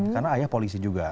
karena ayah polisi juga